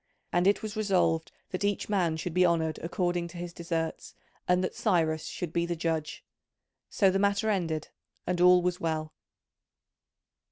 And it was resolved that each man should be honoured according to his deserts and that Cyrus should be the judge. So the matter ended, and all was well.